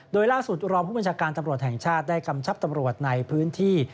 โดยล่าสุดรองผู้บัญชาการตำรวจแห่งชาติได้กำชับตำรวจในพื้นที่